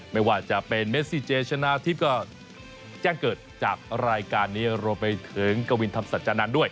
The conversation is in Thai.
ไม่ว่าจะเป็นเมซิเจชนะทิพย์ก็แจ้งเกิดจากรายการนี้รวมไปถึงกวินธรรมสัจจานันทร์ด้วย